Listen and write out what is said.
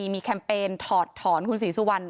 มีแคมเปญถอดถอนคุณศรีสุวรรณ